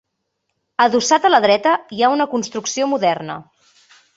Adossat a la dreta, hi ha una construcció moderna.